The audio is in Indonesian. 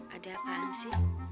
ada apaan sih